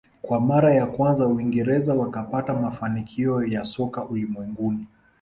Kwa mara ya kwanza uingereza wakapata mafanikio ya soka ulimwenguni